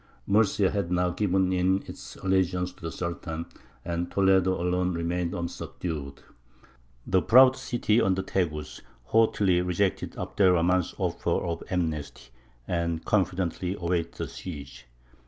Murcia had now given in its allegiance to the Sultan, and Toledo alone remained unsubdued. The proud city on the Tagus haughtily rejected Abd er Rahmān's offer of amnesty, and confidently awaited the siege.